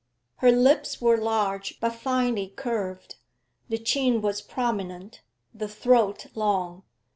Her lips were large, but finely curved; the chin was prominent, the throat long.